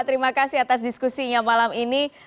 terima kasih atas diskusinya malam ini